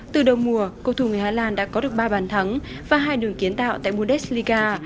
từ đầu mùa cầu thủ người hà lan đã có được ba bàn thắng và hai đường kiến tạo tại mudes lika